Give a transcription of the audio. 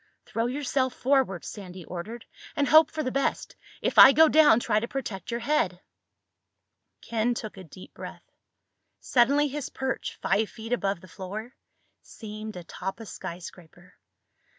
"Throw yourself forward," Sandy ordered, "and hope for the best. If I go down try to protect your head." Ken took a deep breath. Suddenly his perch, five feet above the floor, seemed atop a skyscraper.